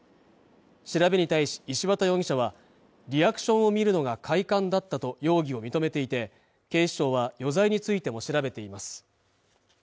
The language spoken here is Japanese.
調べに対し石渡容疑者はリアクションを見るのが快感だったと容疑を認めていて警視庁は余罪についても調べています